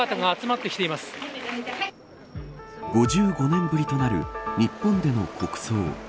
５５年ぶりとなる日本での国葬。